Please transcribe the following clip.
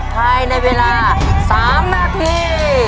ภายในเวลา๓นาที